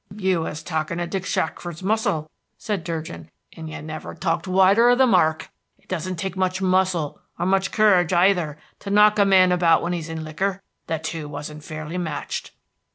"You was talking of Dick Shackford's muscle," said Durgin, "and you never talked wider of the mark. It doesn't take much muscle, or much courage either, to knock a man about when he's in liquor. The two wasn't fairly matched."